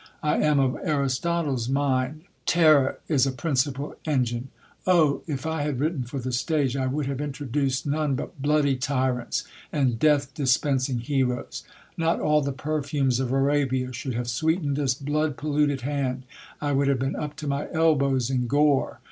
I am of Aristotle's mind, terror is a principal engine. Oh ! if I had written for the stage, I would have introduced none but bloody tyrants, and death dispensing heroes. Not all the perfumes of Arabia should have sweetened this blood polluted hand, I would have been up to my elbows in gore.